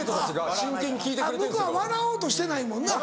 向こうは笑おうとしてないもんな。